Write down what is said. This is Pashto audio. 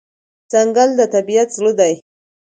ځنګل د طبیعت زړه دی.